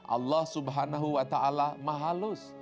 allah swt mahalus